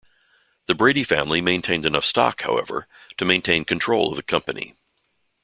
The Brady family maintained enough stock, however, to maintain control of the company.